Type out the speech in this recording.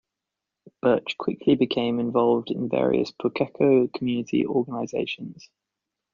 Birch quickly became involved in various Pukekohe community organisations.